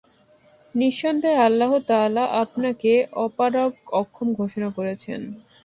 নিঃসন্দেহে আল্লাহ তাআলা আপনাকে অপারগ অক্ষম ঘোষণা করেছেন।